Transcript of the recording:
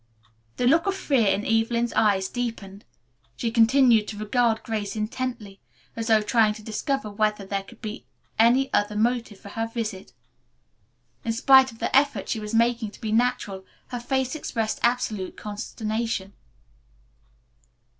The look of fear in Evelyn's eyes deepened. She continued to regard Grace intently, as though trying to discover whether there could be any other motive for her visit. In spite of the effort she was making to be natural her face expressed absolute consternation.